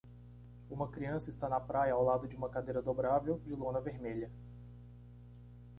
Uma criança está na praia ao lado de uma cadeira dobrável de lona vermelha.